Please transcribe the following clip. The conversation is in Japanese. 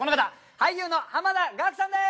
俳優の濱田岳さんです。